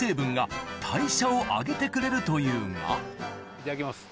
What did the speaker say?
いただきます。